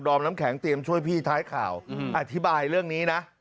อมน้ำแข็งเตรียมช่วยพี่ท้ายข่าวอธิบายเรื่องนี้นะ